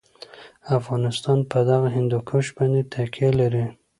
افغانستان په دغه هندوکش باندې تکیه لري.